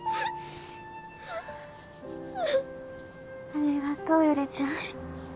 ありがとう悠里ちゃん。